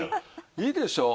いいでしょう。